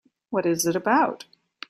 What is it about?